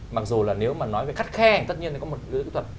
mặc dù là nếu mà nói về khắt khe tất nhiên nó có một cái kỹ thuật